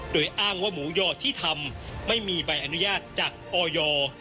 โดยอ้างว่าหมูยอที่ทำไม่มีใบอนุญาตจากออย